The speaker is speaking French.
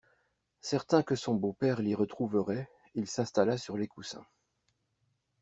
Certain que son beau-père l'y retrouverait, il s'installa sur les coussins.